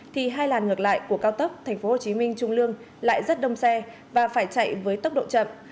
thì hai làn ngược lại của cao tốc tp hcm trung lương lại rất đông xe và phải chạy với tốc độ chậm